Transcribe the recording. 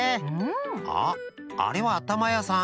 あああれはあたまやさん。